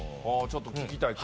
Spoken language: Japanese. ちょっと聞きたい